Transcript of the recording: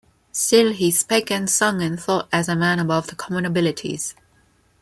Still, he spake and sung and thought as a man above the common abilities.